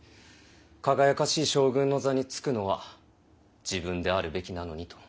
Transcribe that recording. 輝かしい将軍の座につくのは自分であるべきなのにと。